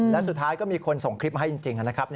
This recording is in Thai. และสุดท้ายก็มีคนส่งคลิปมาให้จริงนะครับ